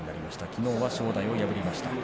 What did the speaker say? きのうは正代を破りました。